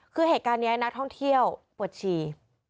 คือเหตุการณ์นี้นักท่องเที่ยวปวดฉี่